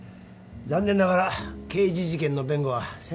残念ながら刑事事件の弁護は専門外で。